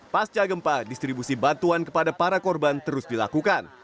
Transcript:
pasca gempa distribusi bantuan kepada para korban terus dilakukan